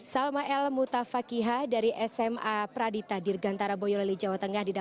salma el mutafakihah dari sma pradita dirgantara boyolali jawa tengah